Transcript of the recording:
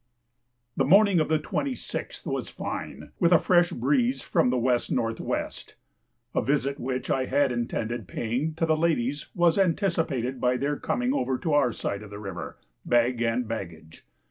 The morning of the 26th was fine, with a fresh breeze from W.N.W. A visit which I had intended paying to the ladies was anticipated by their coming over to our side of the river, bag and baggage.